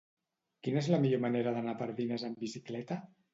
Quina és la millor manera d'anar a Pardines amb bicicleta?